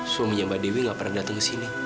suaminya mbak dewi gak pernah datang ke sini